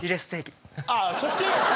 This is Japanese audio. ああそっち！？